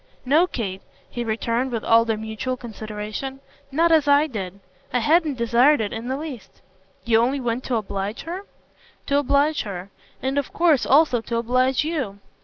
"No, Kate," he returned with all their mutual consideration; "not as I did. I hadn't desired it in the least." "You only went to oblige her?" "To oblige her. And of course also to oblige you."